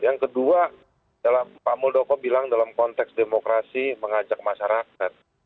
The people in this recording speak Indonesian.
yang kedua dalam pak muldoko bilang dalam konteks demokrasi mengajak masyarakat